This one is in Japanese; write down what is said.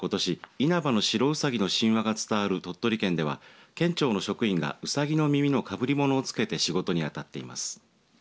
因幡の白うさぎの神話が伝わる鳥取県では県庁の職員がうさぎの耳の被り物をつけて仕事に当たっています。